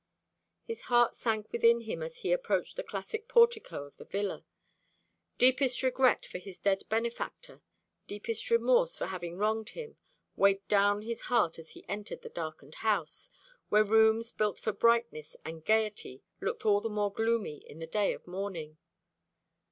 His heart sank within him as he approached the classic portico of the villa. Deepest regret for his dead benefactor, deepest remorse for having wronged him, weighed down his heart as he entered the darkened house, where rooms built for brightness and gaiety looked all the more gloomy in the day of mourning.